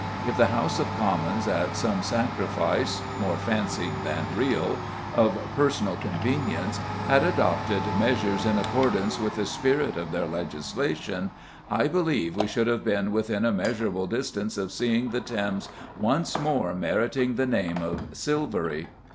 If the House of Commons, at some sacrifice (more fancied than real) of personal convenience, had adopted measures in accordance with the spirit of their legislation, I believe we should have been within a measurable distance of seeing the Thames once more meriting the name of silvery.